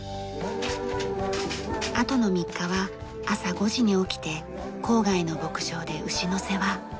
あとの３日は朝５時に起きて郊外の牧場で牛の世話。